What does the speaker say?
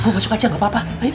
bu masuk aja gak apa apa